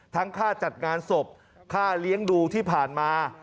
ค่าจัดงานศพค่าเลี้ยงดูที่ผ่านมา